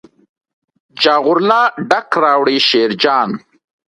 جاغور لا ډک راوړي شیرجان.